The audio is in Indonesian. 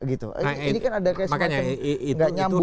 ini kan ada kesempatan yang nggak nyambung